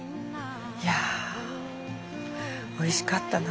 いやおいしかったな。